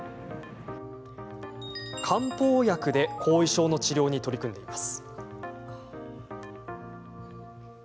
漢方薬で後遺症の治療に取り組んでいます。